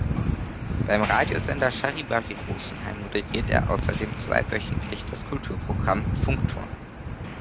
Beim Radiosender Charivari Rosenheim moderiert er außerdem zweiwöchentlich das Kulturprogramm "Funkturm".